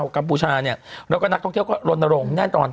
กัมพูชาเนี่ยแล้วก็นักท่องเที่ยวก็ลนโรงแน่นอน